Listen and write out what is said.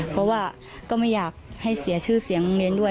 เพราะว่าก็ไม่อยากให้เสียชื่อเสียงโรงเรียนด้วย